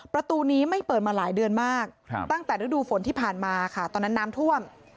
ประตูนี้ไม่เปิดมาหลายเดือนมากตั้งแต่ฤดูฝนที่ผ่านมาค่ะตอนนั้นน้ำท่วม